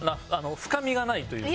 深みがないというか。